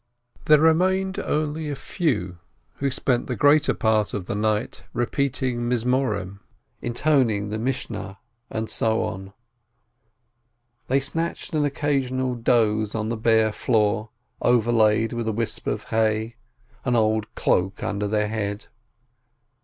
There remained only a few, who spent the greater part of the night repeating Psalms, intoning the Mish nah, and so on; they snatched an occasional doze on the bare floor overlaid with a whisp of hay, an old cloak under their head.